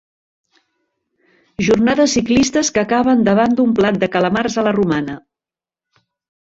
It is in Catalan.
Jornades ciclistes que acaben davant d'un plat de calamars a la romana.